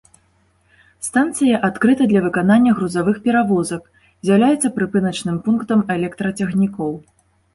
Станцыя адкрыта для выканання грузавых перавозак, з'яўляецца прыпыначным пунктам электрацягнікоў.